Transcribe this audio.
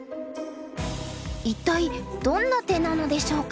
一体どんな手なのでしょうか。